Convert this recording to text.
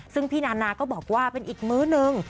ซึ่งพี่นานาก็บอกว่าเป็นอีกมื้อหนึ่ง